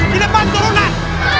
di depan turunan